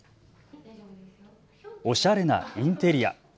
おしゃれなインテリア。